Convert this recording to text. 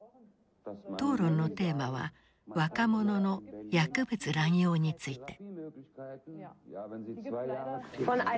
討論のテーマは若者の薬物乱用について。